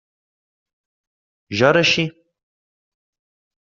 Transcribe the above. Jo era així.